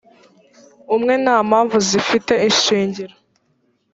umwe nta mpamvu zifite ishingiro